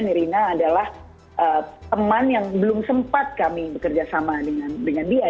nirina adalah teman yang belum sempat kami bekerja sama dengan dia